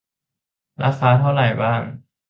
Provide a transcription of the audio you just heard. ราคาเท่าไรบ้าง